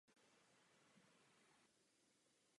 Proto potřebujeme nějaké rychlé nové myšlení.